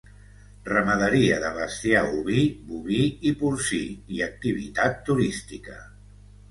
Ramaderia de bestiar oví, boví i porcí i activitat turística.